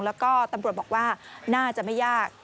แล้วก็ตำรวจบอกว่าน่าจะไม่ยาก